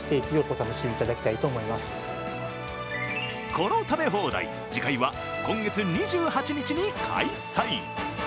この食べ放題、次回は今月２８日に開催。